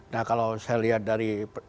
nah kalau saya lihat dari apa yang terjadi